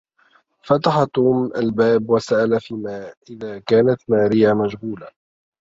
فتح توم الباب وسأل فيما إذا كانت ماريا مشغولة.